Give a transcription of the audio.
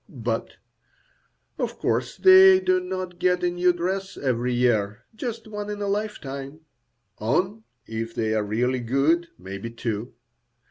But, of course they do not get a new dress every year, just one in a lifetime, or, if they are really good, maybe two.